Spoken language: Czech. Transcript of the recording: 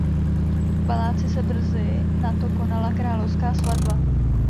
V paláci se brzy nato konala královská svatba.